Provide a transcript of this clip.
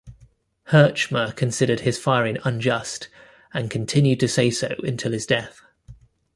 Herchmer considered his firing unjust, and continued to say so until his death.